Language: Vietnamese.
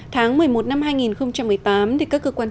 tháng một mươi một năm hai nghìn một mươi tám các cơ quan